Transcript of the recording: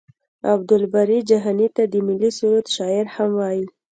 عبدالباري جهاني ته د ملي سرود شاعر هم وايي.